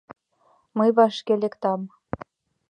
Мый вашке лектам!